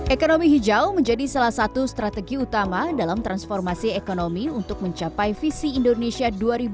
ekonomi hijau menjadi salah satu strategi utama dalam transformasi ekonomi untuk mencapai visi indonesia dua ribu dua puluh